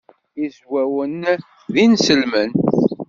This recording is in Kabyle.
Izwawen d inselmen.